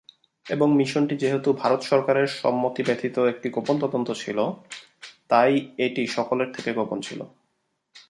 এবং মিশনটি যেহেতু ভারত সরকারের সম্মতি ব্যতীত একটি গোপন তদন্ত ছিল, তাই এটি সকলের থেকে গোপন ছিল।